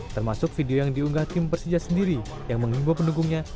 termasuk video yang diunggah tim persija sendiri yang mengimbau pendukungnya